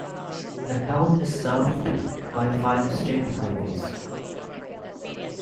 The town is served by five state highways.